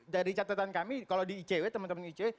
dari catatan kami kalau di icw teman teman icw